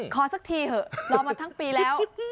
สักทีเถอะรอมาทั้งปีแล้ว